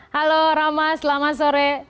halo rama selamat sore